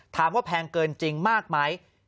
ถามว่าแพงเกินจริงมากมั้ย